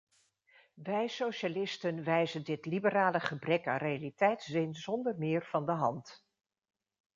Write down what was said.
Wij socialisten wijzen dit liberale gebrek aan realiteitszin zonder meer van de hand.